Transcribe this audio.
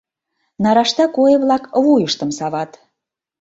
Нарашта куэ-влак вуйыштым сават.